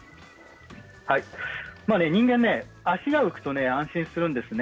人間は足が浮くと安心するんですね。